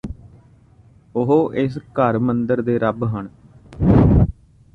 ਉਹ ਇਸ ਘਰ ਮੰਦਰ ਦੇ ਰੱਬ ਹਨ